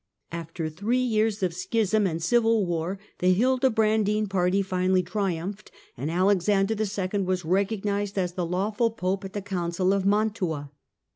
After three years of schism and civil war, the Hildebrandine party finally triumphed, and Alexander II. was recognized as the lawful Pope at the Council of Mantua.